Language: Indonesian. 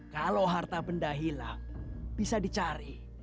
kalau harta benda hilang bisa dicari